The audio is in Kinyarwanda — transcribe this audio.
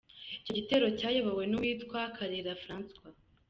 Icyo gitero cyayobowe n’uwitwa Karera François.